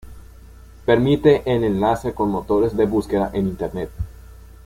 Permite el enlace con motores de búsqueda en Internet.